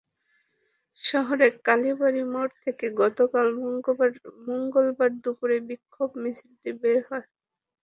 শহরের কালীবাড়ি মোড় থেকে গতকাল মঙ্গলবার দুপুরে বিক্ষোভ মিছিলটি বের হয়।